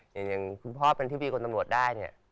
อย่างคุณพ่อเป็นที่พี่คนตำรวจได้เนี่ย